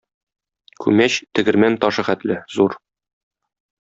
Күмәч тегермән ташы хәтле - зур.